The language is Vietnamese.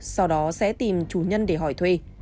sau đó sẽ tìm chủ nhân để hỏi thuê